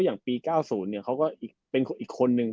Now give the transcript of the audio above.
อย่างปี๙๐เขาก็เป็นอีกคนนึง